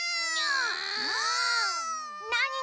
なに？